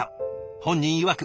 本人いわく